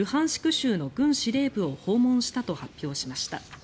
州の軍司令部を訪問したと発表しました。